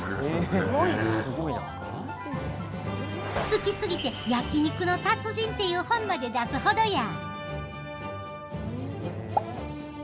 好きすぎて「焼肉の達人」っていう本まで出すほどや。